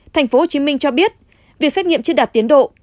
tp hcm cho biết việc xét nghiệm chưa đạt tiến độ